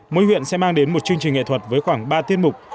mỗi huyện sẽ mang đến một chương trình nghệ thuật với khoảng ba tiết mục